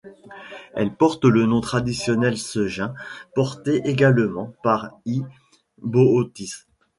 Elle porte le nom traditionnel Segin, porté également par γ Bootis.